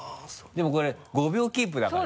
でもこれ５秒キープだから。